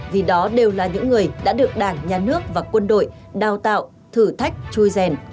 vì đó đều là những người đã được đảng nhà nước và quân đội đào tạo thử thách chui rèn